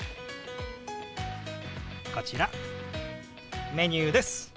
こちらメニューです。